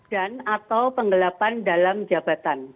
atau penggelapan dalam jabatan